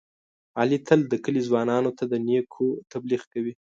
علي تل د کلي ځوانانو ته د نېکو تبلیغ کوي.